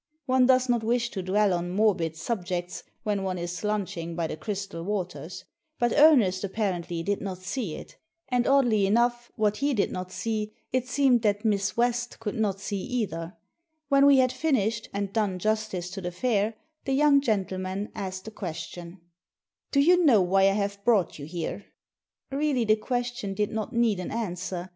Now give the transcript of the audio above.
One does not wish to dwell on morbid sub jects when one is lunching by the crystal waters; but Ernest, apparently, did not see it; and, oddly enough, what he did not see, it seemed that Miss West could not see either. When we had finished, and done justice to the fare^ the young gentleman asked a questioa Digitized by VjOOQIC THE VIOLIN 113 " Do you know why I have brought you here ?" Really the question did not need an answer.